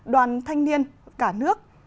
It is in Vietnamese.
đoàn thanh niên cả nước